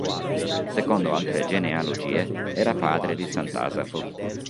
Secondo altre genealogie, era padre di sant'Asafo.